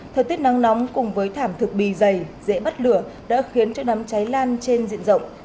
thời tiết nắng nóng cùng với thảm thực bì dày dễ bắt lửa đã khiến cho đám cháy lan trên diện rộng